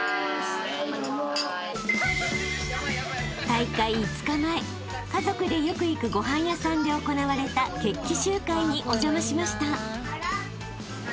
［大会５日前家族でよく行くご飯屋さんで行われた決起集会にお邪魔しました］